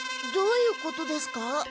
どういうことですか？